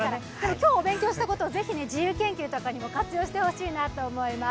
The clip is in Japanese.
今日、お勉強したことをぜひ自由研究とかにも活用してほしいと思います。